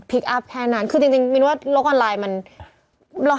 ปุ๊บปุ๊บปุ๊บ